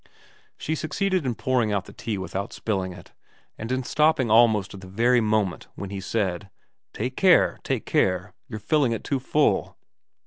She succeeded in VERA 271 pouring out the tea without spilling it, and in stopping almost at the very moment when he said, ' Take care, take care you're filling it too full.'